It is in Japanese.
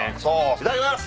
いただきます。